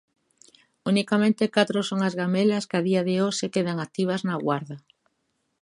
Unicamente catro son as gamelas que, a día de hoxe, quedan activas na Guarda.